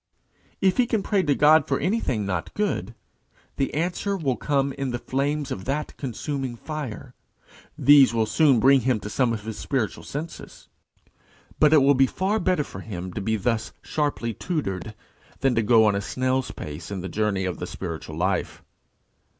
If he can pray to God for anything not good, the answer will come in the flames of that consuming fire. These will soon bring him to some of his spiritual senses. But it will be far better for him to be thus sharply tutored, than to go on a snail's pace in the journey of the spiritual life.